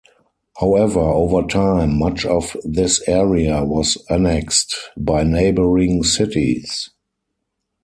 However, over time, much of this area was annexed by neighboring cities.